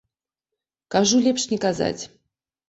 Кажу, лепш не казаць!